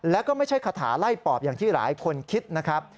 แล้วก็ไม่ใช่คาถาไล่ปอบอย่างที่หลายคนคิดนะครับ